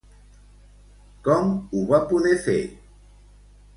Com ho va poder fer?